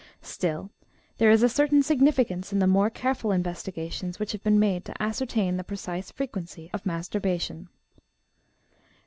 Still there is a certain significance in the more careful investigations which have been made to ascertain the precise frequency of masturbation.